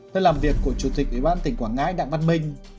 tới làm việc của chủ tịch ủy ban tỉnh quảng ngãi đặng văn minh